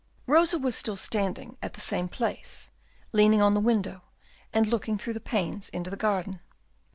Rosa was still standing at the same place, leaning on the window, and looking through the panes into the garden.